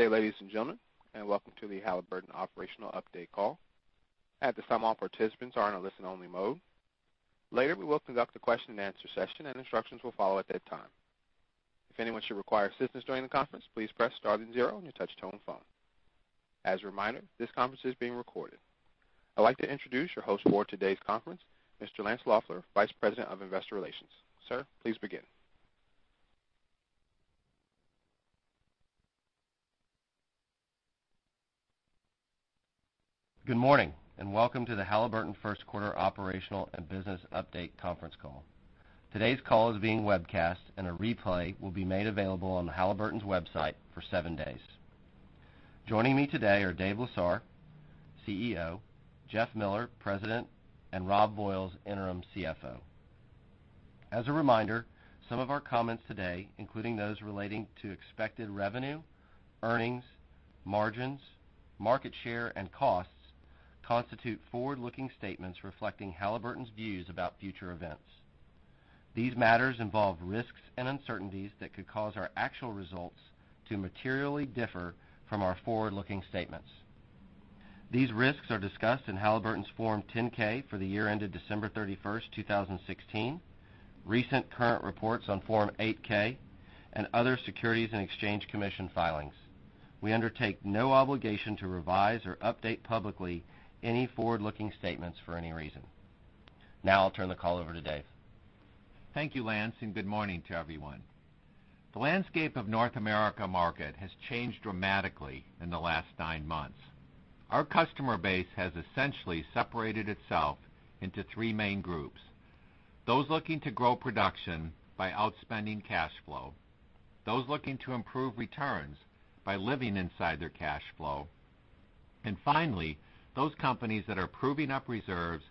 Good day, ladies and gentlemen, and welcome to the Halliburton Operational Update Call. At this time, all participants are in a listen-only mode. Later, we will conduct a question-and-answer session, and instructions will follow at that time. If anyone should require assistance during the conference, please press star then zero on your touch-tone phone. As a reminder, this conference is being recorded. I'd like to introduce your host for today's conference, Mr. Lance Loeffler, Vice President of Investor Relations. Sir, please begin. Good morning, welcome to the Halliburton First Quarter Operational and Business Update Conference Call. Today's call is being webcast, a replay will be made available on Halliburton's website for seven days. Joining me today are Dave Lesar, CEO, Jeff Miller, President, and Robb Boyle, Interim CFO. As a reminder, some of our comments today, including those relating to expected revenue, earnings, margins, market share, and costs, constitute forward-looking statements reflecting Halliburton's views about future events. These matters involve risks and uncertainties that could cause our actual results to materially differ from our forward-looking statements. These risks are discussed in Halliburton's Form 10-K for the year ended December 31st, 2016, recent current reports on Form 8-K, and other Securities and Exchange Commission filings. We undertake no obligation to revise or update publicly any forward-looking statements for any reason. I'll turn the call over to Dave. Thank you, Lance, good morning to everyone. The landscape of North America market has changed dramatically in the last nine months. Our customer base has essentially separated itself into three main groups: those looking to grow production by outspending cash flow, those looking to improve returns by living inside their cash flow, and finally, those companies that are proving up reserves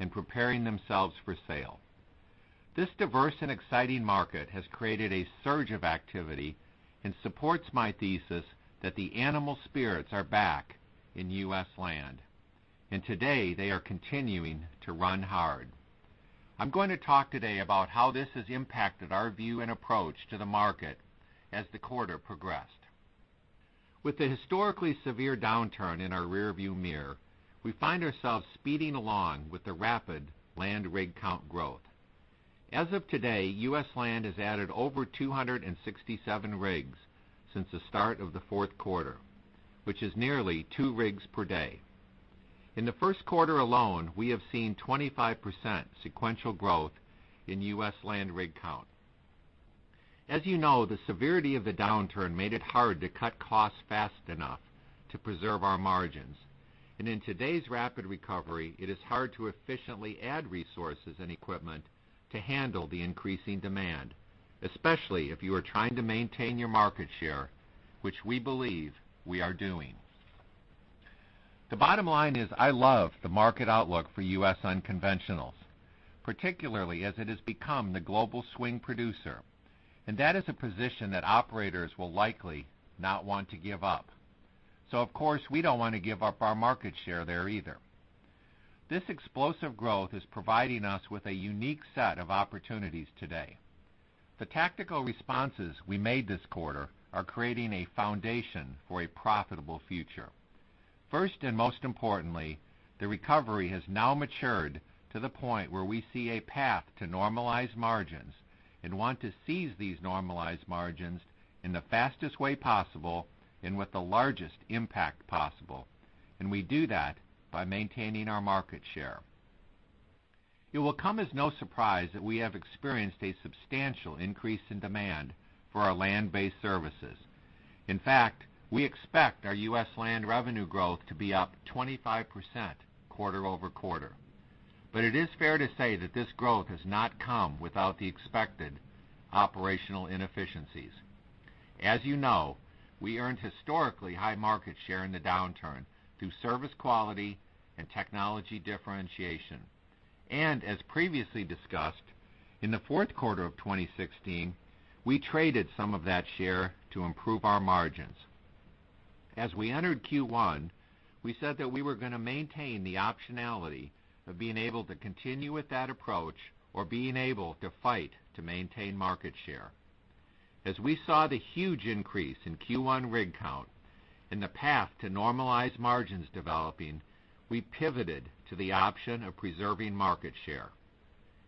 and preparing themselves for sale. This diverse and exciting market has created a surge of activity and supports my thesis that the animal spirits are back in U.S. land. Today, they are continuing to run hard. I'm going to talk today about how this has impacted our view and approach to the market as the quarter progressed. With the historically severe downturn in our rearview mirror, we find ourselves speeding along with the rapid land rig count growth. As of today, U.S. land has added over 267 rigs since the start of the fourth quarter, which is nearly two rigs per day. In the first quarter alone, we have seen 25% sequential growth in U.S. land rig count. As you know, the severity of the downturn made it hard to cut costs fast enough to preserve our margins. In today's rapid recovery, it is hard to efficiently add resources and equipment to handle the increasing demand, especially if you are trying to maintain your market share, which we believe we are doing. The bottom line is, I love the market outlook for U.S. unconventionals, particularly as it has become the global swing producer, that is a position that operators will likely not want to give up. Of course, we don't want to give up our market share there either. This explosive growth is providing us with a unique set of opportunities today. The tactical responses we made this quarter are creating a foundation for a profitable future. First, most importantly, the recovery has now matured to the point where we see a path to normalized margins and want to seize these normalized margins in the fastest way possible and with the largest impact possible. We do that by maintaining our market share. It will come as no surprise that we have experienced a substantial increase in demand for our land-based services. In fact, we expect our U.S. land revenue growth to be up 25% quarter-over-quarter. It is fair to say that this growth has not come without the expected operational inefficiencies. As you know, we earned historically high market share in the downturn through service quality and technology differentiation. As previously discussed, in the fourth quarter of 2016, we traded some of that share to improve our margins. As we entered Q1, we said that we were going to maintain the optionality of being able to continue with that approach or being able to fight to maintain market share. As we saw the huge increase in Q1 rig count and the path to normalized margins developing, we pivoted to the option of preserving market share.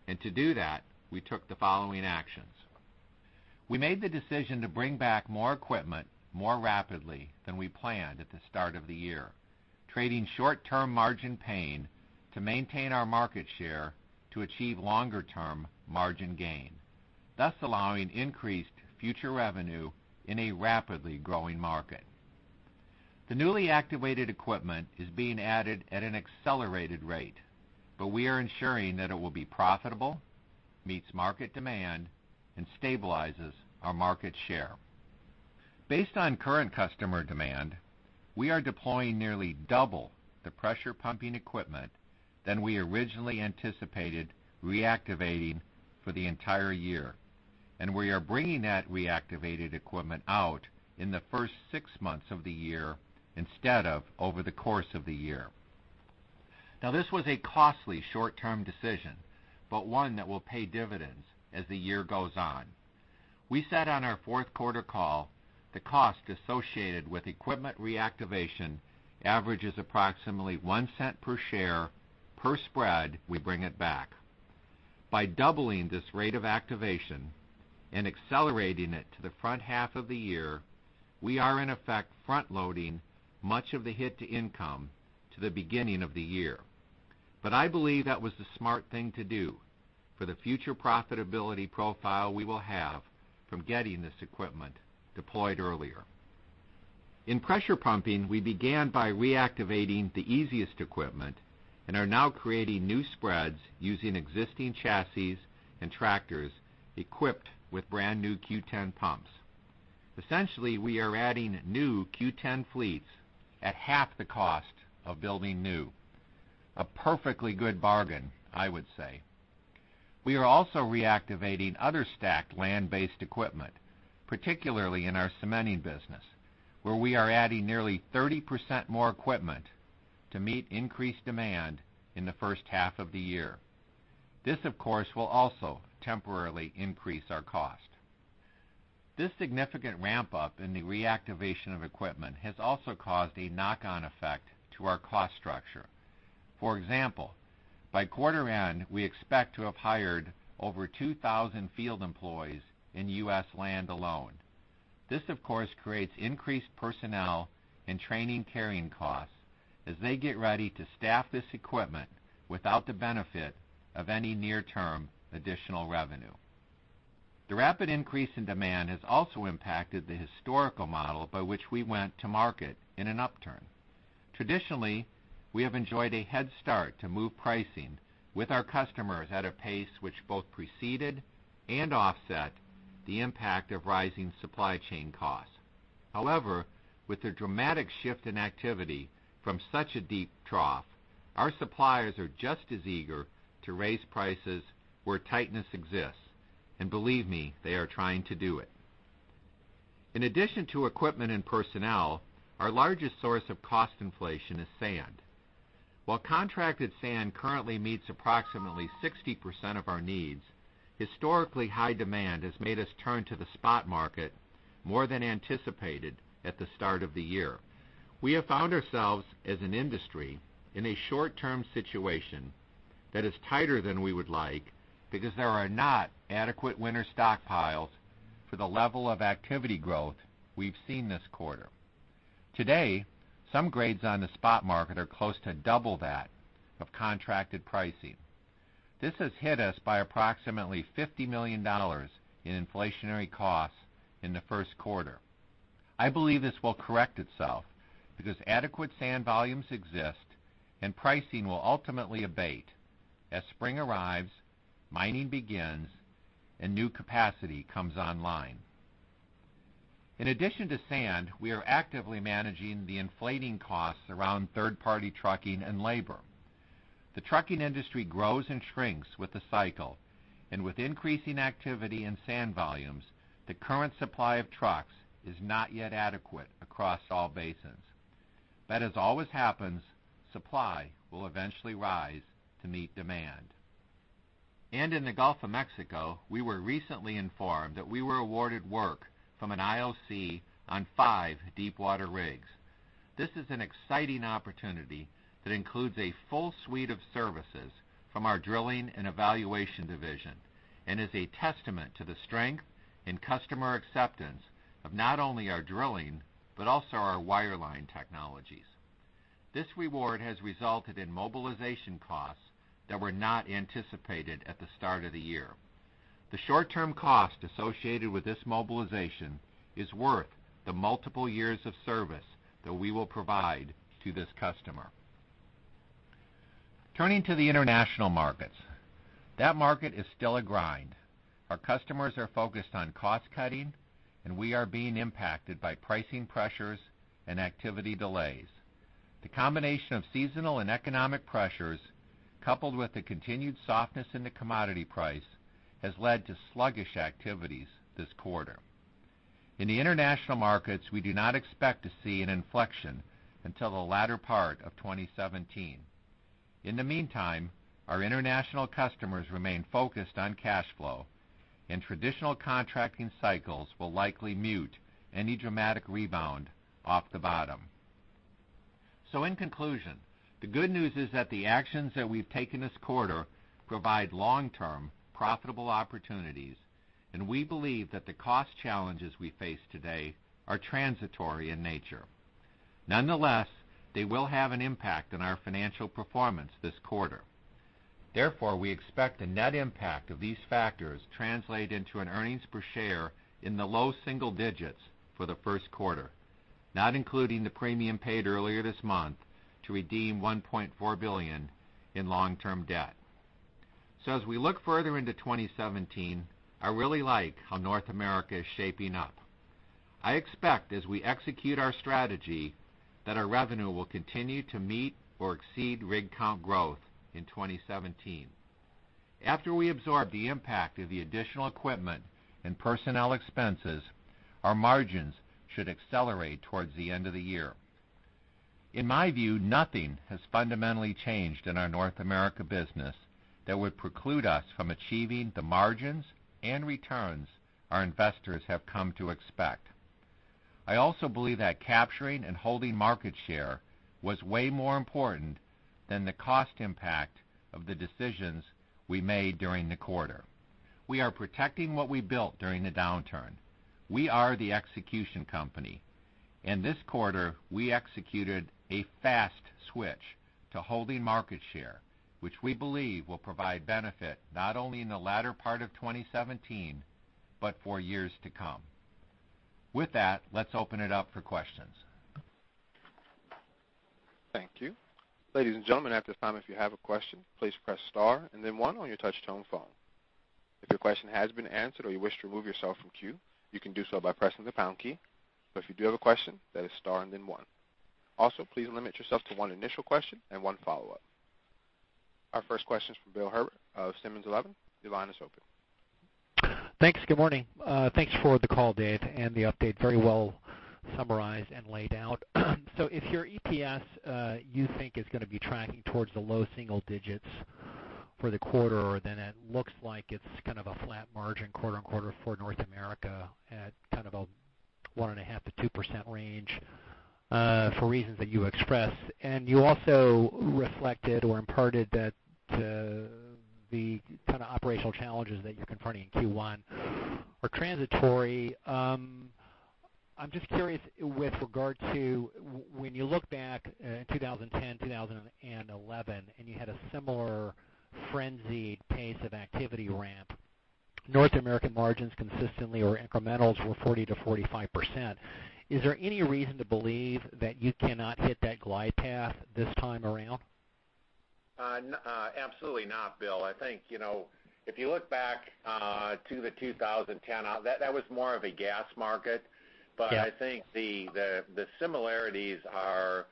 To do that, we took the following actions. We made the decision to bring back more equipment more rapidly than we planned at the start of the year, trading short-term margin pain to maintain our market share to achieve longer-term margin gain, thus allowing increased future revenue in a rapidly growing market. The newly activated equipment is being added at an accelerated rate. We are ensuring that it will be profitable, meets market demand, and stabilizes our market share. Based on current customer demand, we are deploying nearly double the pressure pumping equipment than we originally anticipated reactivating for the entire year. We are bringing that reactivated equipment out in the first six months of the year instead of over the course of the year. This was a costly short-term decision, one that will pay dividends as the year goes on. We said on our fourth quarter call the cost associated with equipment reactivation averages approximately $0.01 per share per spread we bring it back. By doubling this rate of activation and accelerating it to the front half of the year, we are in effect front-loading much of the hit to income to the beginning of the year. I believe that was the smart thing to do for the future profitability profile we will have from getting this equipment deployed earlier. In pressure pumping, we began by reactivating the easiest equipment and are now creating new spreads using existing chassis and tractors equipped with brand-new Q10 pumps. Essentially, we are adding new Q10 fleets at half the cost of building new. A perfectly good bargain, I would say. We are also reactivating other stacked land-based equipment, particularly in our cementing business, where we are adding nearly 30% more equipment to meet increased demand in the first half of the year. This, of course, will also temporarily increase our cost. This significant ramp-up in the reactivation of equipment has also caused a knock-on effect to our cost structure. For example, by quarter end, we expect to have hired over 2,000 field employees in U.S. Land alone. This, of course, creates increased personnel and training carrying costs as they get ready to staff this equipment without the benefit of any near-term additional revenue. The rapid increase in demand has also impacted the historical model by which we went to market in an upturn. Traditionally, we have enjoyed a head start to move pricing with our customers at a pace which both preceded and offset the impact of rising supply chain costs. However, with the dramatic shift in activity from such a deep trough, our suppliers are just as eager to raise prices where tightness exists. Believe me, they are trying to do it. In addition to equipment and personnel, our largest source of cost inflation is sand. While contracted sand currently meets approximately 60% of our needs, historically high demand has made us turn to the spot market more than anticipated at the start of the year. We have found ourselves as an industry in a short-term situation that is tighter than we would like because there are not adequate winter stockpiles for the level of activity growth we've seen this quarter. Today, some grades on the spot market are close to double that of contracted pricing. This has hit us by approximately $50 million in inflationary costs in the first quarter. I believe this will correct itself because adequate sand volumes exist and pricing will ultimately abate as spring arrives, mining begins, and new capacity comes online. In addition to sand, we are actively managing the inflating costs around third-party trucking and labor. The trucking industry grows and shrinks with the cycle. With increasing activity in sand volumes, the current supply of trucks is not yet adequate across all basins. As always happens, supply will eventually rise to meet demand. In the Gulf of Mexico, we were recently informed that we were awarded work from an IOC on 5 deepwater rigs. This is an exciting opportunity that includes a full suite of services from our Drilling and Evaluation division and is a testament to the strength and customer acceptance of not only our drilling but also our wireline technologies. This award has resulted in mobilization costs that were not anticipated at the start of the year. The short-term cost associated with this mobilization is worth the multiple years of service that we will provide to this customer. Turning to the international markets. That market is still a grind. Our customers are focused on cost-cutting, and we are being impacted by pricing pressures and activity delays. The combination of seasonal and economic pressures, coupled with the continued softness in the commodity price, has led to sluggish activities this quarter. In the international markets, we do not expect to see an inflection until the latter part of 2017. In the meantime, our international customers remain focused on cash flow, and traditional contracting cycles will likely mute any dramatic rebound off the bottom. In conclusion, the good news is that the actions that we've taken this quarter provide long-term profitable opportunities, and we believe that the cost challenges we face today are transitory in nature. Nonetheless, they will have an impact on our financial performance this quarter. Therefore, we expect the net impact of these factors translate into an earnings per share in the low single digits for the first quarter, not including the premium paid earlier this month to redeem $1.4 billion in long-term debt. As we look further into 2017, I really like how North America is shaping up. I expect as we execute our strategy that our revenue will continue to meet or exceed rig count growth in 2017. After we absorb the impact of the additional equipment and personnel expenses, our margins should accelerate towards the end of the year. In my view, nothing has fundamentally changed in our North America business that would preclude us from achieving the margins and returns our investors have come to expect. I also believe that capturing and holding market share was way more important than the cost impact of the decisions we made during the quarter. We are protecting what we built during the downturn. We are the execution company. In this quarter, we executed a fast switch to holding market share, which we believe will provide benefit not only in the latter part of 2017, but for years to come. With that, let's open it up for questions. Thank you. Ladies and gentlemen, at this time, if you have a question, please press star and then one on your touch tone phone. If your question has been answered or you wish to remove yourself from queue, you can do so by pressing the pound key. If you do have a question, that is star and then one. Also, please limit yourself to one initial question and one follow-up. Our first question is from Bill Herbert of Simmons & Company International. Your line is open. Thanks. Good morning. Thanks for the call, Dave, and the update. Very well summarized and laid out. If your EPS, you think is going to be tracking towards the low single digits for the quarter, then it looks like it's kind of a flat margin quarter-on-quarter for North America at kind of a 1.5%-2% range for reasons that you expressed. You also reflected or imparted that the kind of operational challenges that you're confronting in Q1 are transitory. I'm just curious with regard to when you look back in 2010, 2011, and you had a similar frenzied pace of activity ramp, North American margins consistently or incrementals were 40%-45%. Is there any reason to believe that you cannot hit that glide path this time around? Absolutely not, Bill. I think, if you look back to 2010, that was more of a gas market. Yeah. I think the similarities are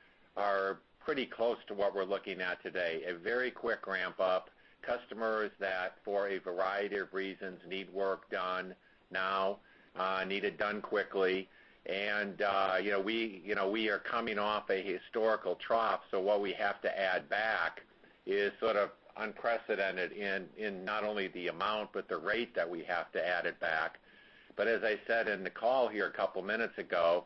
pretty close to what we're looking at today. A very quick ramp-up. Customers that, for a variety of reasons, need work done now, need it done quickly. We are coming off a historical trough, so what we have to add back is sort of unprecedented in not only the amount but the rate that we have to add it back. As I said in the call here a couple of minutes ago,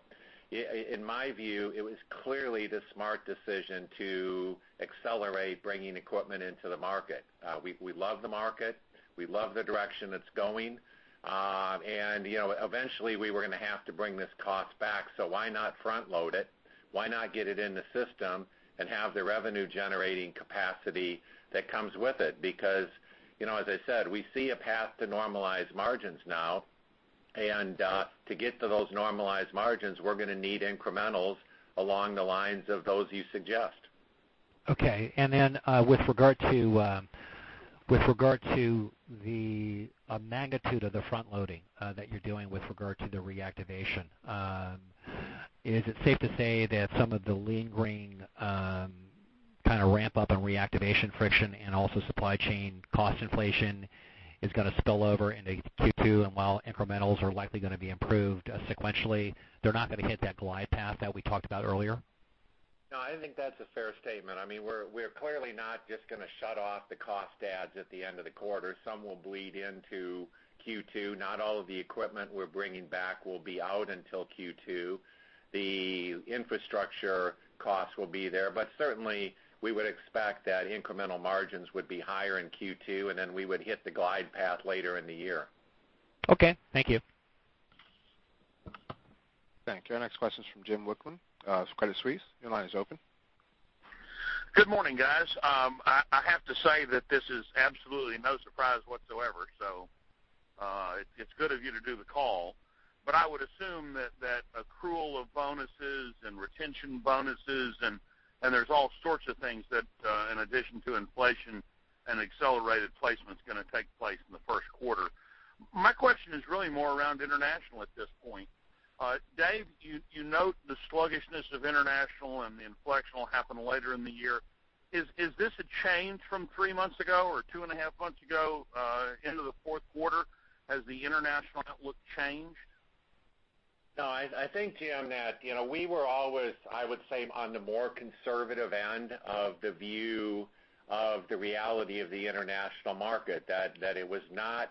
in my view, it was clearly the smart decision to accelerate bringing equipment into the market. We love the market. We love the direction it's going. Eventually, we were going to have to bring this cost back, so why not front load it? Why not get it in the system and have the revenue-generating capacity that comes with it? As I said, we see a path to normalize margins now, and to get to those normalized margins, we're going to need incrementals along the lines of those you suggest. Okay. With regard to the magnitude of the front loading that you're doing with regard to the reactivation, is it safe to say that some of the lingering kind of ramp up and reactivation friction and also supply chain cost inflation is going to spill over into Q2, and while incrementals are likely going to be improved sequentially, they're not going to hit that glide path that we talked about earlier? No, I think that's a fair statement. We're clearly not just going to shut off the cost adds at the end of the quarter. Some will bleed into Q2. Not all of the equipment we're bringing back will be out until Q2. The infrastructure costs will be there, certainly, we would expect that incremental margins would be higher in Q2, then we would hit the glide path later in the year. Okay. Thank you. Thank you. Our next question is from Jim Wicklund of Credit Suisse. Your line is open. Good morning, guys. I have to say that this is absolutely no surprise whatsoever, it's good of you to do the call. I would assume that accrual of bonuses and retention bonuses and there's all sorts of things that in addition to inflation and accelerated placement is going to take place in the first quarter. My question is really more around international at this point. Dave, you note the sluggishness of international the inflection will happen later in the year. Is this a change from three months ago or two and a half months ago into the fourth quarter? Has the international outlook changed? No. I think, Jim, that we were always, I would say, on the more conservative end of the view of the reality of the international market, that it was not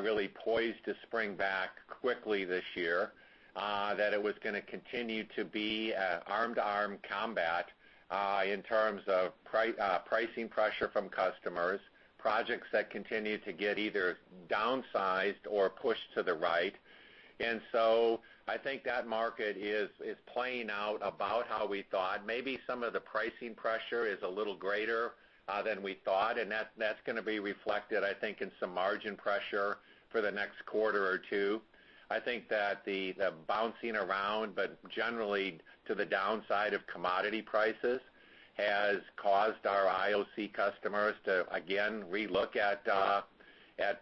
really poised to spring back quickly this year, that it was going to continue to be arm to arm combat in terms of pricing pressure from customers, projects that continue to get either downsized or pushed to the right. I think that market is playing out about how we thought. Maybe some of the pricing pressure is a little greater than we thought, and that's going to be reflected, I think, in some margin pressure for the next quarter or two. I think that the bouncing around, but generally to the downside of commodity prices, has caused our IOC customers to, again, relook at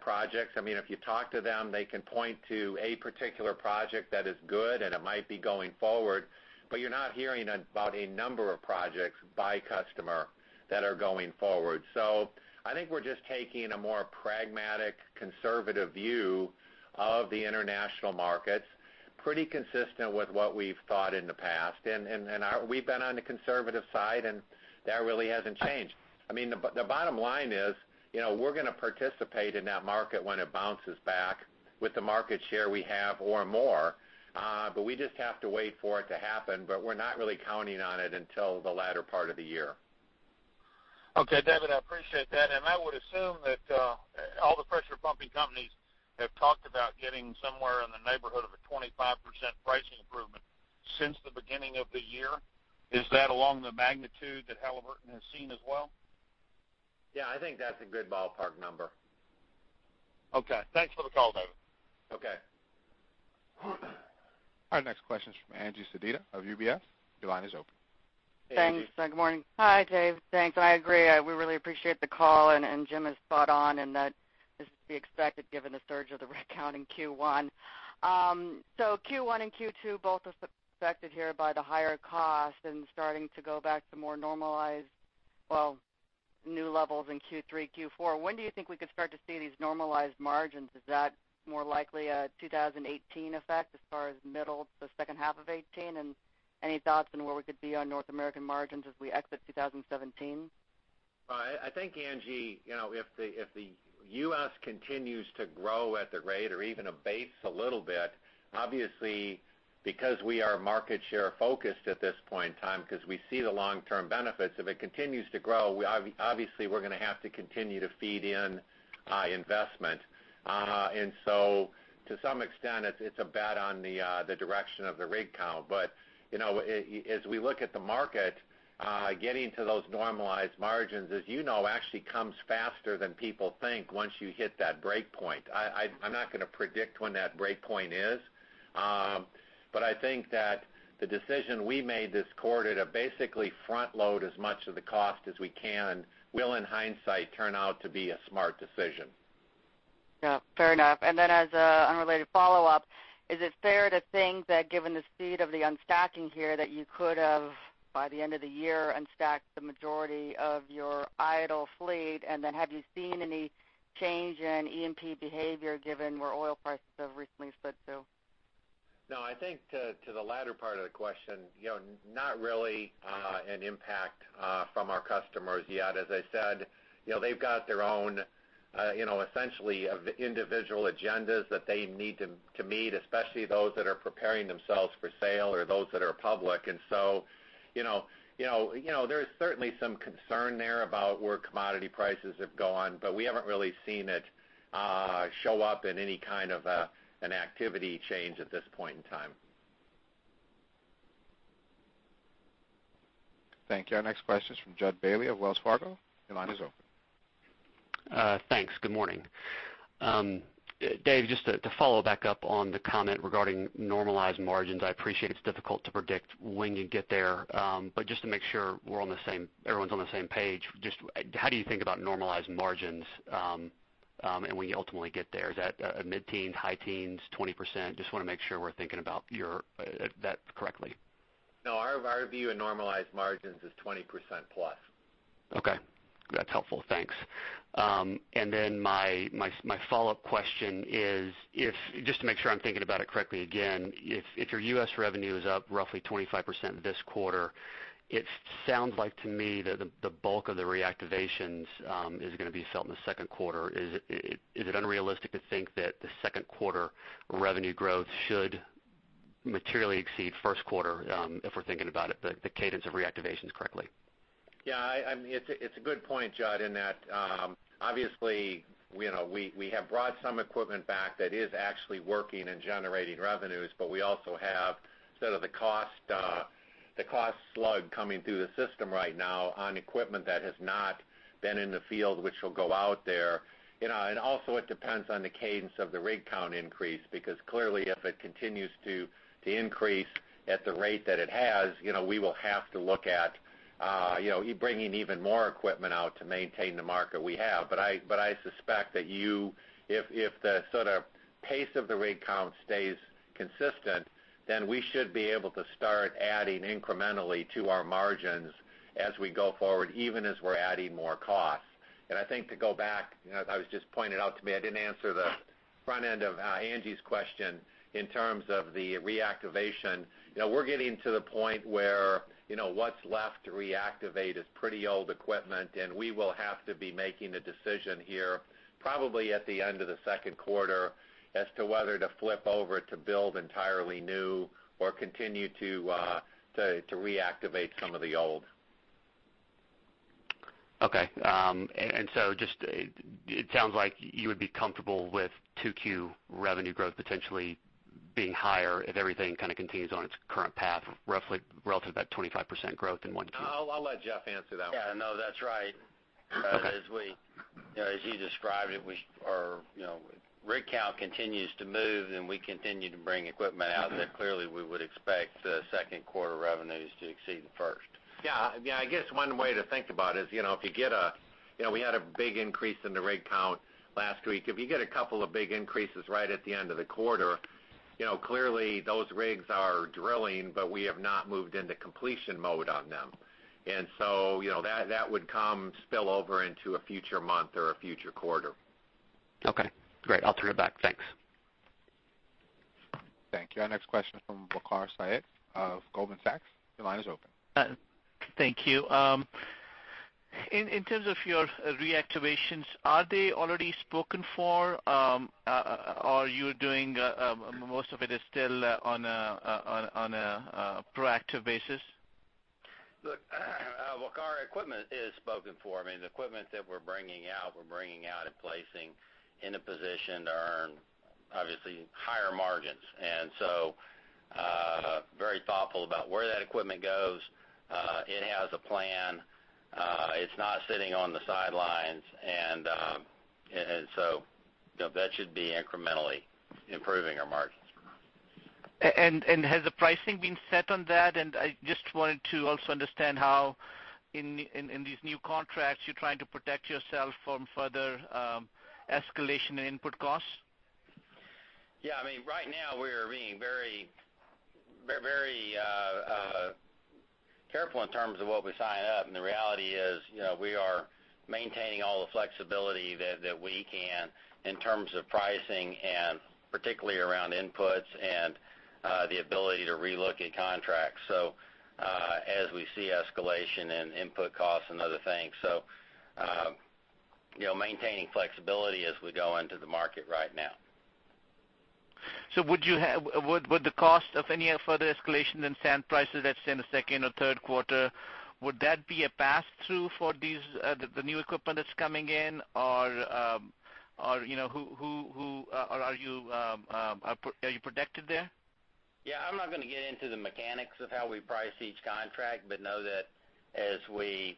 projects. If you talk to them, they can point to a particular project that is good, and it might be going forward, but you're not hearing about a number of projects by customer that are going forward. I think we're just taking a more pragmatic, conservative view of the international markets, pretty consistent with what we've thought in the past. We've been on the conservative side, and that really hasn't changed. The bottom line is, we're going to participate in that market when it bounces back with the market share we have or more. We just have to wait for it to happen, but we're not really counting on it until the latter part of the year. Okay, Dave, I appreciate that. I would assume that all the pressure pumping companies have talked about getting somewhere in the neighborhood of a 25% pricing improvement since the beginning of the year. Is that along the magnitude that Halliburton has seen as well? Yeah, I think that's a good ballpark number. Okay. Thanks for the call, Dave. Okay. Our next question is from Angie Sedita of UBS. Your line is open. Hey, Angie. Thanks. Good morning. Hi, Dave. Thanks. I agree. We really appreciate the call. Jim is spot on, that is to be expected given the surge of the rig count in Q1. Q1 and Q2 both are affected here by the higher cost and starting to go back to more normalized, well, new levels in Q3, Q4. When do you think we could start to see these normalized margins? Is that more likely a 2018 effect as far as middle to second half of 2018? Any thoughts on where we could be on North American margins as we exit 2017? I think, Angie, if the U.S. continues to grow at the rate or even abates a little bit, obviously because we are market share focused at this point in time, because we see the long-term benefits, if it continues to grow, obviously we're going to have to continue to feed in high investment. To some extent, it's a bet on the direction of the rig count. As we look at the market, getting to those normalized margins, as you know, actually comes faster than people think once you hit that break point. I'm not going to predict when that break point is. I think that the decision we made this quarter to basically front load as much of the cost as we can will, in hindsight, turn out to be a smart decision. Yeah. Fair enough. As an unrelated follow-up, is it fair to think that given the speed of the unstacking here, that you could have by the end of the year, unstacked the majority of your idle fleet? Have you seen any change in E&P behavior given where oil prices have recently slid to? No, I think to the latter part of the question, not really an impact from our customers yet. As I said, they've got their own essentially individual agendas that they need to meet, especially those that are preparing themselves for sale or those that are public. There is certainly some concern there about where commodity prices have gone, but we haven't really seen it show up in any kind of an activity change at this point in time. Thank you. Our next question is from Judd Bailey of Wells Fargo. Your line is open. Thanks. Good morning. Dave, just to follow back up on the comment regarding normalized margins, I appreciate it's difficult to predict when you get there. Just to make sure everyone's on the same page, just how do you think about normalized margins, and when you ultimately get there? Is that a mid-teens, high teens, 20%? Just want to make sure we're thinking about that correctly. No, our view in normalized margins is 20% plus. Okay. That's helpful. Thanks. My follow-up question is, just to make sure I'm thinking about it correctly again, if your U.S. revenue is up roughly 25% this quarter, it sounds like to me that the bulk of the reactivations is going to be felt in the second quarter. Is it unrealistic to think that the second quarter revenue growth should materially exceed first quarter, if we're thinking about the cadence of reactivations correctly? Yeah. It's a good point, Judd, in that obviously, we have brought some equipment back that is actually working and generating revenues, we also have sort of the cost slug coming through the system right now on equipment that has not been in the field, which will go out there. Also, it depends on the cadence of the rig count increase, because clearly, if it continues to increase at the rate that it has, we will have to look at bringing even more equipment out to maintain the market we have. I suspect that if the sort of pace of the rig count stays consistent, then we should be able to start adding incrementally to our margins as we go forward, even as we're adding more cost. I think to go back, as was just pointed out to me, I didn't answer the front end of Angie's question in terms of the reactivation. We're getting to the point where what's left to reactivate is pretty old equipment, and we will have to be making a decision here, probably at the end of the second quarter, as to whether to flip over to build entirely new or continue to reactivate some of the old. Okay. It sounds like you would be comfortable with 2Q revenue growth potentially being higher if everything kind of continues on its current path, roughly relative to that 25% growth in 1Q. I'll let Jeff answer that one. Yeah, no, that's right. Okay. As you described it, Rig count continues to move, we continue to bring equipment out that clearly we would expect second quarter revenues to exceed the first. Yeah. I guess one way to think about it is, we had a big increase in the rig count last week. If you get a couple of big increases right at the end of the quarter, clearly those rigs are drilling, we have not moved into completion mode on them. That would spill over into a future month or a future quarter. Okay, great. I'll turn it back. Thanks. Thank you. Our next question is from Waqar Syed of Goldman Sachs. Your line is open. Thank you. In terms of your reactivations, are they already spoken for? Are you doing most of it is still on a proactive basis? Look, Waqar, equipment is spoken for. The equipment that we're bringing out, we're bringing out and placing in a position to earn, obviously, higher margins. Very thoughtful about where that equipment goes. It has a plan. It's not sitting on the sidelines. That should be incrementally improving our margins. Has the pricing been set on that? I just wanted to also understand how, in these new contracts, you're trying to protect yourself from further escalation in input costs. Yeah. Right now we are being very careful in terms of what we sign up. The reality is, we are maintaining all the flexibility that we can in terms of pricing, and particularly around inputs and the ability to relook at contracts. As we see escalation in input costs and other things, maintaining flexibility as we go into the market right now. Would the cost of any further escalation in sand prices that's in the second or third quarter, would that be a pass-through for the new equipment that's coming in? Or are you protected there? Yeah, I'm not going to get into the mechanics of how we price each contract, but know that as we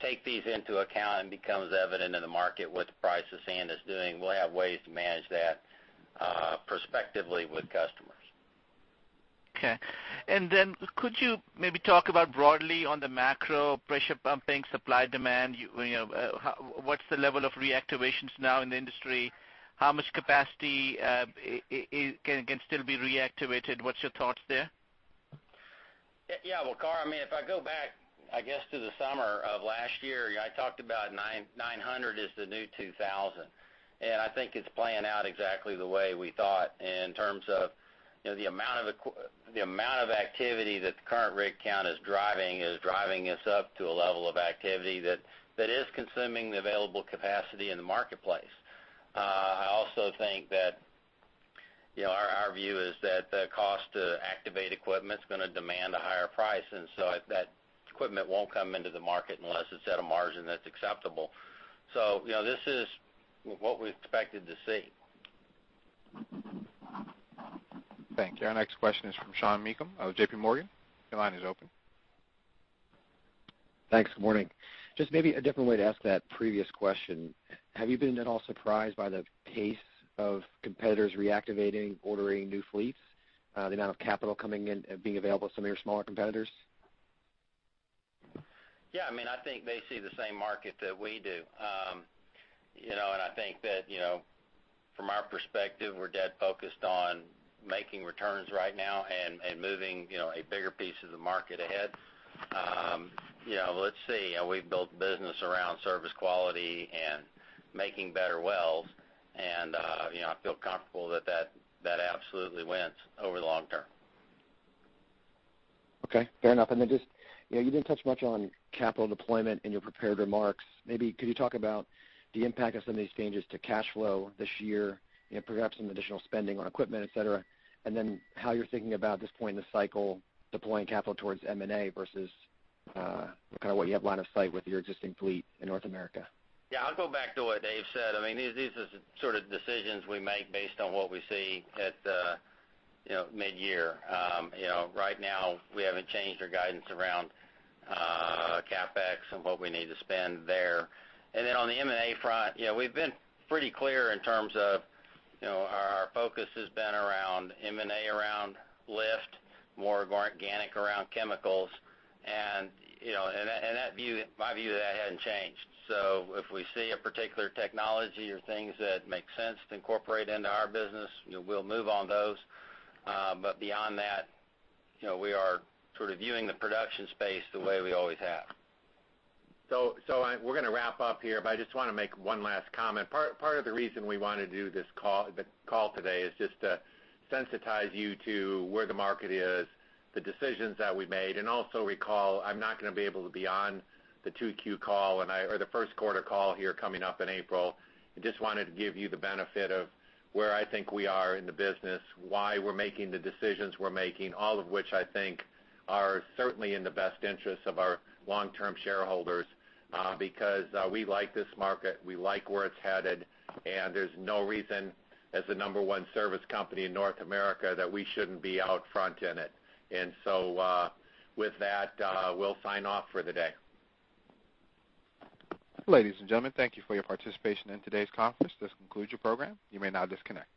take these into account, and it becomes evident in the market what the price of sand is doing, we'll have ways to manage that prospectively with customers. Okay. Could you maybe talk about broadly on the macro pressure pumping supply/demand, what's the level of reactivations now in the industry? How much capacity can still be reactivated? What's your thoughts there? Yeah. Waqar, if I go back, I guess, to the summer of last year, I talked about 900 as the new 2,000. I think it's playing out exactly the way we thought in terms of the amount of activity that the current rig count is driving us up to a level of activity that is consuming the available capacity in the marketplace. I also think that our view is that the cost to activate equipment is going to demand a higher price, and so that equipment won't come into the market unless it's at a margin that's acceptable. This is what we expected to see. Thank you. Our next question is from Sean Meakim of JPMorgan. Your line is open. Thanks. Morning. Just maybe a different way to ask that previous question, have you been at all surprised by the pace of competitors reactivating, ordering new fleets, the amount of capital coming in and being available to some of your smaller competitors? Yeah, I think they see the same market that we do. I think that from our perspective, we're dead focused on making returns right now and moving a bigger piece of the market ahead. Let's see. We've built the business around service quality and making better wells, and I feel comfortable that that absolutely wins over the long term. Okay. Fair enough. Just, you didn't touch much on capital deployment in your prepared remarks. Maybe could you talk about the impact of some of these changes to cash flow this year and perhaps some additional spending on equipment, et cetera, and then how you're thinking about this point in the cycle, deploying capital towards M&A versus kind of what you have line of sight with your existing fleet in North America? Yeah, I'll go back to what Dave said. These are the sort of decisions we make based on what we see at mid-year. Right now, we haven't changed our guidance around CapEx and what we need to spend there. On the M&A front, we've been pretty clear in terms of our focus has been around M&A around lift, more organic around chemicals, and my view of that hasn't changed. If we see a particular technology or things that make sense to incorporate into our business, we'll move on those. Beyond that, we are sort of viewing the production space the way we always have. We're going to wrap up here, but I just want to make one last comment. Part of the reason we want to do the call today is just to sensitize you to where the market is, the decisions that we made, and also recall, I'm not going to be able to be on the 2Q call, or the first quarter call here coming up in April, and just wanted to give you the benefit of where I think we are in the business, why we're making the decisions we're making, all of which I think are certainly in the best interest of our long-term shareholders. We like this market, we like where it's headed, and there's no reason, as the number one service company in North America, that we shouldn't be out front in it. With that, we'll sign off for the day. Ladies and gentlemen, thank you for your participation in today's conference. This concludes your program. You may now disconnect.